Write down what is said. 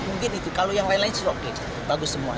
mungkin itu kalau yang lain lain sudah oke bagus semua